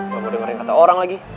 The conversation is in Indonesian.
gak mau dengerin kata orang lagi